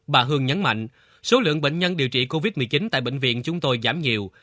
bà hương nhấn mạnh số lượng bệnh nhân điều trị covid một mươi chín tại bệnh viện chúng tôi giảm nhiều